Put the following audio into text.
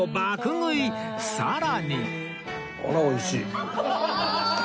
さらに